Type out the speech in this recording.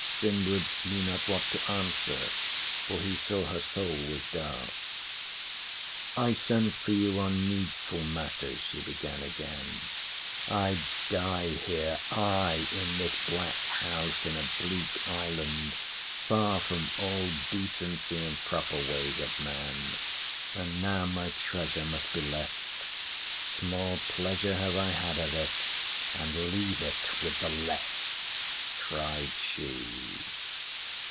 Finnward knew not what to answer, for he saw her soul was dark. "I sent for you on needful matters," she began again. "I die here I! in this black house, in a bleak island, far from all decency and proper ways of man; and now my treasure must be left. Small pleasure have I had of it, and leave it with the less!" cried she.